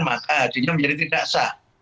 maka hajinya menjadi tidak sah